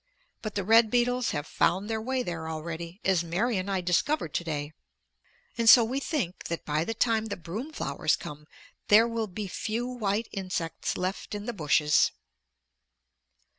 But the red beetles have found their way there already, as Mary and I discovered to day, and so we think that by the time the broom flowers come, there will be few white insects left in the bushes.